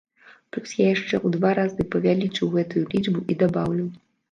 Плюс я яшчэ ў два разы павялічу гэтую лічбу і дабаўлю.